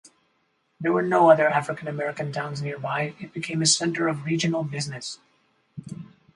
There were no other African-American towns nearby, it became a center of regional business.